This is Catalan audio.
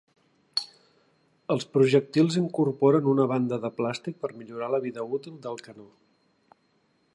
Els projectils incorporen una banda de plàstic per millorar la vida útil del canó.